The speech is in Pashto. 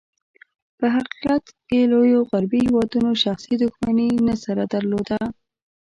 په حقیقت کې، لوېو غربي هېوادونو شخصي دښمني نه سره درلوده.